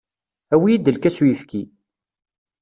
Awi-iyi-d lkas n uyefki.